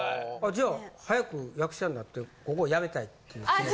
じゃあ早く役者になってここをやめたいっていう。